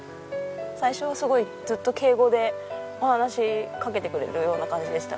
最初はすごいずっと敬語でお話しかけてくれるような感じでしたかね。